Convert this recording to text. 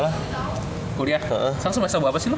sekarang semester apa sih lu